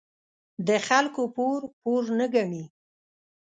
د خلکو پور، پور نه گڼي.